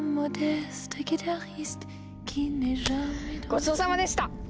ごちそうさまでした！